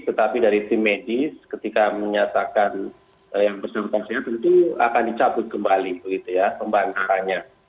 tetapi dari tim medis ketika menyatakan yang bersangkutan sehat tentu akan dicabut kembali begitu ya pembantarannya